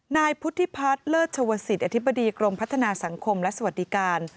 นายพุทธิพัฒน์เลิศชวศิษย์อธิบดีกรมพัฒนาสังคมและสวัสดิการ